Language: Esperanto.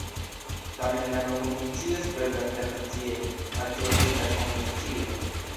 Tamen la nomo funkcias per la internacie akceptita konvencio.